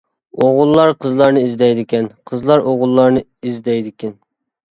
ئوغۇللار قىزلارنى ئىزدەيدىكەن، قىزلار ئوغۇللارنى ئىزدەيدىكەن.